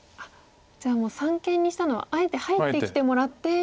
じゃあもう三間にしたのはあえて入ってきてもらって。